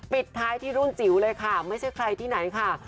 ปิดท้ายที่รุ่นจิ๋วเลยค่ะไม่ใช่ใครที่ไหนค่ะ